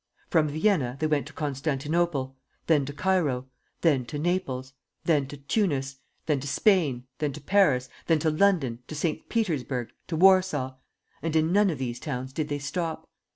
From Vienna, they went to Constantinople, then to Cairo, then to Naples, then to Tunis, then to Spain, then to Paris, then to London, to St. Petersburg, to Warsaw ... and in none of these towns did they stop.